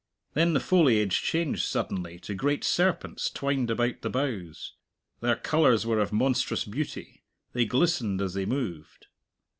Then the foliage changed suddenly to great serpents twined about the boughs. Their colours were of monstrous beauty. They glistened as they moved.